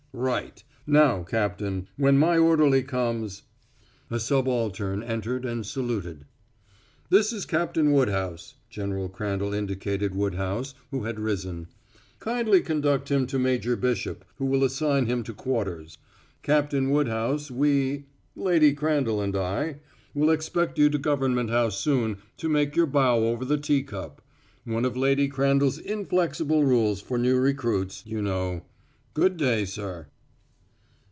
"Right. Now, Captain, when my orderly comes " A subaltern entered and saluted. "This is Captain Woodhouse." General Crandall indicated Woodhouse, who had risen. "Kindly conduct him to Major Bishop, who will assign him to quarters. Captain Woodhouse, we Lady Crandall and I will expect you at Government House soon to make your bow over the teacup. One of Lady Crandall's inflexible rules for new recruits, you know. Good day, sir."